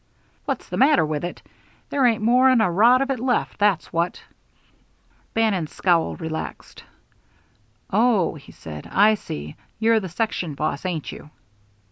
"What's the matter with it! There ain't more'n a rod of it left, that's what." Bannon's scowl relaxed. "Oh," he said, "I see. You're the section boss, ain't you?"